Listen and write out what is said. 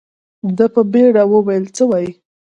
ده په بيړه وويل څه وايې.